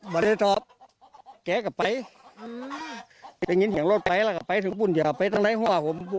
บริษัทแกกับไฟเป็นกินเหยียงรถไฟแล้วไฟถึงปุ่นเยียบไปตั้งไหนฮ่า